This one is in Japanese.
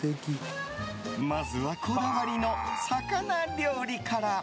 まずは、こだわりの魚料理から。